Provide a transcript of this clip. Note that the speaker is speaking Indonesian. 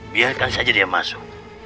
biarkan saja dia masuk